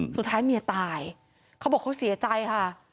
สุดท้ายเมียตายเขาบอกเขาเสียใจค่ะ